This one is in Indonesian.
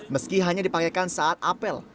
meski hanya dipakaikan saat apel